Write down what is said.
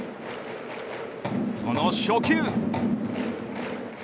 その初球。